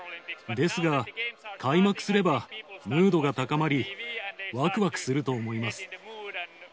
ですが、開幕すればムードが高まり、わくわくすると思います。